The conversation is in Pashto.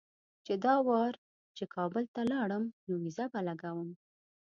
چې دا وار چې کابل ته لاړم نو ویزه به لګوم.